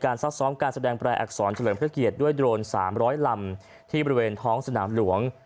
ซักซ้อมการแสดงแปรอักษรเฉลิมพระเกียรติด้วยโดรน๓๐๐ลำที่บริเวณท้องสนามหลวง